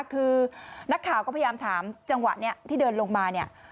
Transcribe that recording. คือนักข่าวก็พยายามถามจังหวะนี้ที่เดินลงมาเนี่ย